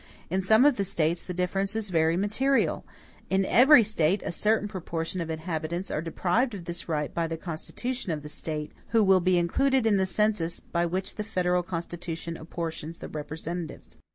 In some of the States the difference is very material. In every State, a certain proportion of inhabitants are deprived of this right by the constitution of the State, who will be included in the census by which the federal Constitution apportions the representatives.